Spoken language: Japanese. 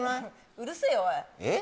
うるせえよおいえっ？